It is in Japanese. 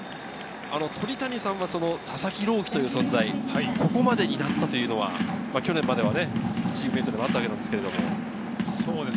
鳥谷さんは佐々木朗希という存在、ここまでになったというのは、去年まではチームメートでしたけれども。